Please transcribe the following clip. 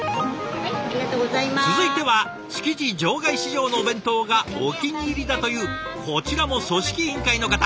続いては築地場外市場のお弁当がお気に入りだというこちらも組織委員会の方。